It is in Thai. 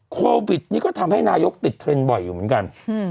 โควิดนี้ก็ทำให้นายกติดเทรนด์บ่อยอยู่เหมือนกัน